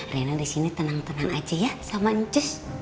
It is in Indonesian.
rena disini tenang tenang aja ya sama ancus